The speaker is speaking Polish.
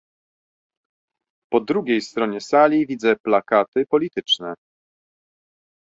Po drugiej stronie sali widzę plakaty polityczne